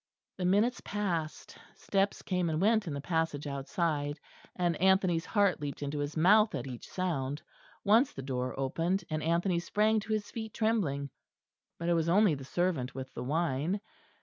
The minutes passed; steps came and went in the passage outside; and Anthony's heart leaped into his mouth at each sound. Once the door opened, and Anthony sprang to his feet trembling. But it was only the servant with the wine.